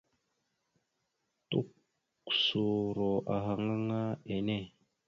Tukəsoro ahaŋ aŋa enne.